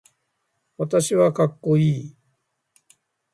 私はかっこいい